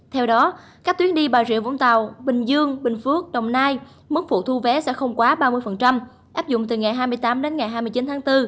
theo đó các tuyến đi bà rịa vũng tàu bình dương bình phước đồng nai mức phụ thu vé sẽ không quá ba mươi áp dụng từ ngày hai mươi tám đến ngày hai mươi chín tháng bốn